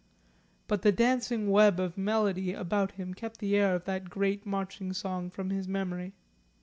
But the dancing web of melody about him kept the air of that great marching song from his memory.